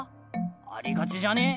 ありがちじゃね？